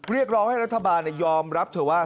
เรียกร้องให้รัฐบาลยอมรับเถอะว่า